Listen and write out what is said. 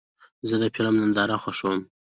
زه د فلم ننداره خوښوم.